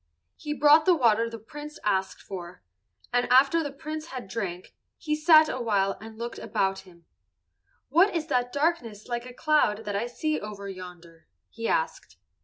He brought the water the Prince asked for, and after the Prince had drank, he sat awhile and looked about him. "What is that darkness, like a cloud, that I see over yonder?" he asked.